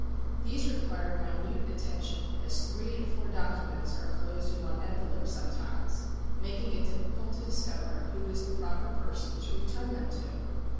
These require minute attention, as three and four documents are inclosed in one envelope sometimes, making it difficult to discover who is the proper person to return them to.